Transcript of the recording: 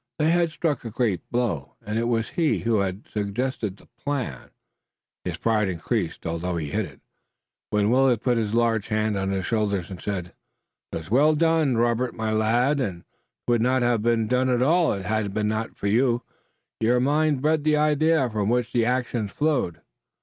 They had struck a great blow, and it was he who had suggested the plan. His pride increased, although he hid it, when Willet put his large hand on his shoulder and said: "'Twas well done, Robert, my lad, and 'twould not have been done at all had it not been for you. Your mind bred the idea, from which the action flowed."